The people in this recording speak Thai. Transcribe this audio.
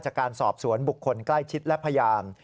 จากการสอบสวนบุคคลใกล้ชิดและพยาน